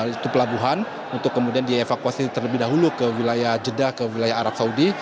yaitu pelabuhan untuk kemudian dievakuasi terlebih dahulu ke wilayah jeddah ke wilayah arab saudi